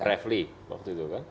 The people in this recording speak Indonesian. refli waktu itu kan